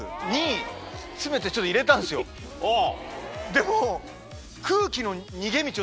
でも。